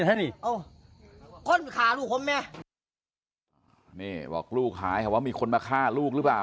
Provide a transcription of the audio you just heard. นี่บอกลูกหายค่ะว่ามีคนมาฆ่าลูกหรือเปล่า